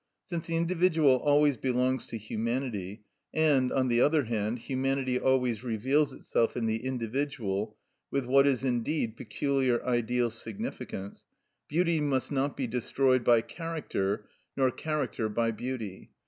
Since the individual always belongs to humanity, and, on the other hand, humanity always reveals itself in the individual with what is indeed peculiar ideal significance, beauty must not be destroyed by character nor character by beauty.